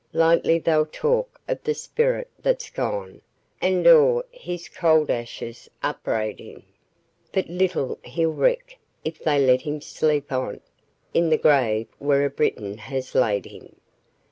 Lightly they'll talk of the spirit that's gone, And o'er his cold ashes upbraid him, But little he'll reck, if they let him sleep on, In the grave where a Briton has laid him.